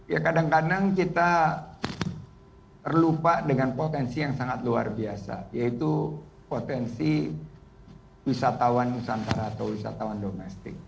ya kadang kadang kita terlupa dengan potensi yang sangat luar biasa yaitu potensi wisatawan nusantara atau wisatawan domestik